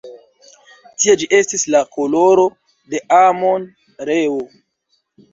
Tie ĝi estis la koloro de Amon-Reo.